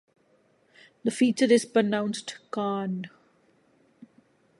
This feature is pronounced ""karn"".